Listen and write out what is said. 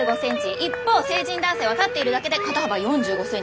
一方成人男性は立っているだけで肩幅４５ｃｍ。